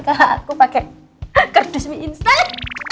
kalau aku pake kerdus mie instan